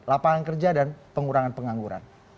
lapangan kerja dan pengurangan pengangguran